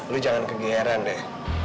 lu jangan kegiatan deh